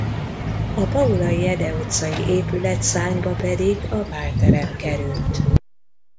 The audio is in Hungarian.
A Paulay Ede utcai épületszárnyba pedig a bálterem került.